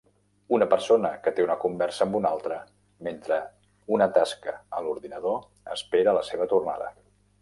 Una persona que té una conversa amb una altra, mentre una tasca a l'ordinador espera la seva tornada.